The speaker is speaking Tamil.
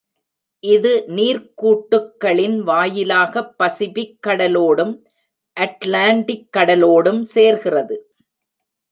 இது நீர்க் கூட்டுக்களின் வாயிலாகப் பசிபிக்கடலோடும் அட்லாண்டிக் கடலோடும் சேர்கிறது.